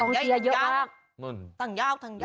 ต้องเสียเยอะมากต่างยาวต่างยาว